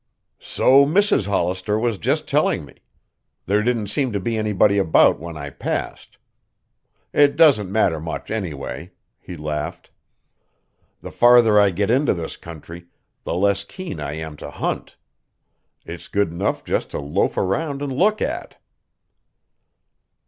"So Mrs. Hollister was just telling me. There didn't seem to be anybody about when I passed. It doesn't matter much, anyway," he laughed. "The farther I get into this country, the less keen I am to hunt. It's good enough just to loaf around and look at."